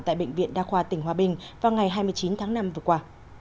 tại bệnh viện đa khoa tỉnh hòa bình vào ngày hai mươi chín tháng năm vừa qua